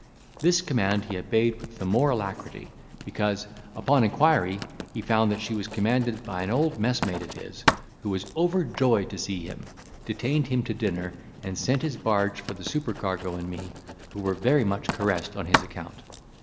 This command he obeyed with the more alacrity, because, upon inquiry, he found that she was commanded by an old messmate of his, who was overjoyed to see him, detained him to dinner, and sent his barge for the supercargo and me, who were very much caressed on his account.